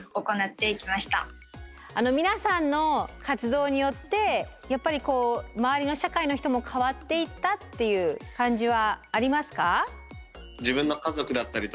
皆さんの活動によってやっぱり周りの社会の人も変わっていったっていう感じはありますか？